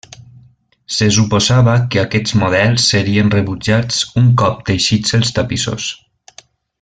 Se suposava que aquests models serien rebutjats un cop teixits els tapissos.